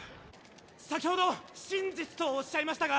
先程真実とおっしゃいましたが。